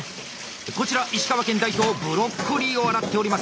こちら石川県代表ブロッコリーを洗っております。